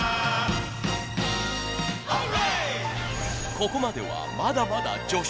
ここまではまだまだ序章！